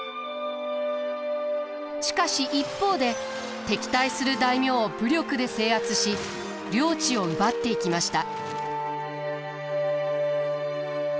しかし一方で敵対する大名を武力で制圧し領地を奪っていきました。